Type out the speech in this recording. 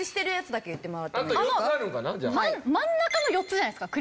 真ん中の４つじゃないですか？